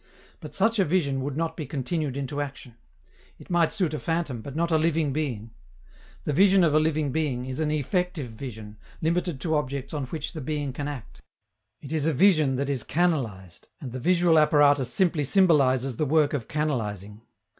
But such a vision would not be continued into action; it might suit a phantom, but not a living being. The vision of a living being is an effective vision, limited to objects on which the being can act: it is a vision that is canalized, and the visual apparatus simply symbolizes the work of canalizing.